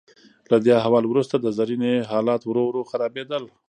له دې احوال وروسته د زرینې حالات ورو ورو خرابیدل.